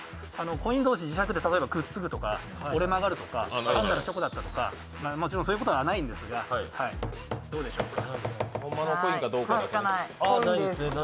コイン同士、磁石でくっつくとか折れ曲がるとか単なるチョコだったとかそういうことはないんですがどうでしょうか。